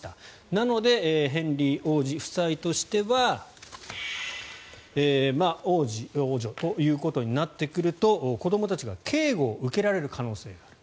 なのでヘンリー王子夫妻としては王子、王女ということになってくると子どもたちが警護を受けられる可能性がある。